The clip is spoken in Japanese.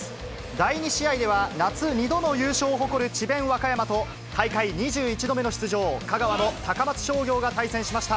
第２試合では、夏２度の優勝を誇る智弁和歌山と、大会２１度目の出場、香川の高松商業が対戦しました。